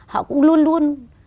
họ cũng luôn luôn